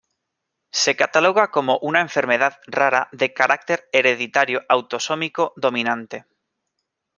Se cataloga como una enfermedad rara de carácter hereditario autosómico dominante.